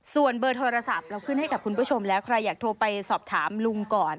ส่วนเบอร์โทรศัพท์เราขึ้นให้กับคุณผู้ชมแล้วใครอยากโทรไปสอบถามลุงก่อน